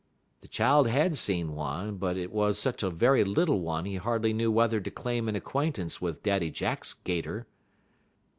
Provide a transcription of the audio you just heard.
The child had seen one, but it was such a very little one he hardly knew whether to claim an acquaintance with Daddy Jack's 'Gater.